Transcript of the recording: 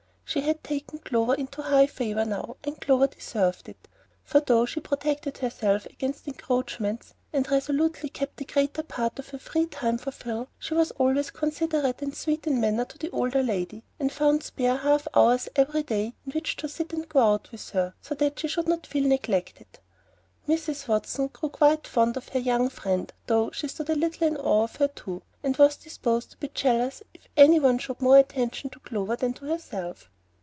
She had taken Clover into high favor now, and Clover deserved it, for though she protected herself against encroachments, and resolutely kept the greater part of her time free for Phil, she was always considerate, and sweet in manner to the older lady, and she found spare half hours every day in which to sit and go out with her, so that she should not feel neglected. Mrs. Watson grew quite fond of her "young friend," though she stood a little in awe of her too, and was disposed to be jealous if any one showed more attention to Clover than to herself.